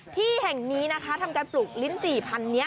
ที่แห่งนี้นะคะทำการปลูกลิ้นจี่พันนี้